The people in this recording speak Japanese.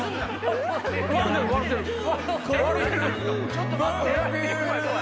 ちょっと待って。